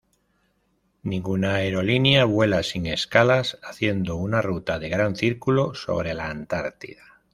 Ninguna aerolínea vuela sin escalas haciendo una ruta de gran círculo sobre la Antártida.